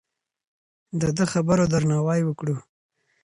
د ده د خبرو درناوی وکړو.